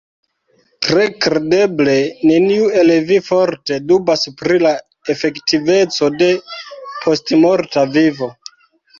Tre kredeble neniu el vi forte dubas pri la efektiveco de postmorta vivo.